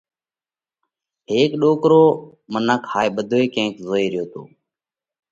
هيڪ ڏوڪرو منک هائي ٻڌوئي ڪئين زوئي ريو تو۔